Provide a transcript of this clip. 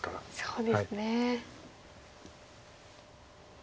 そうですね。